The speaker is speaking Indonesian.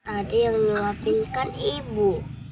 ada yang mengawafinkan ibu